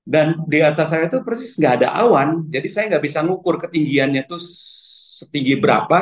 dan di atas saya itu persis nggak ada awan jadi saya nggak bisa ngukur ketinggiannya itu setinggi berapa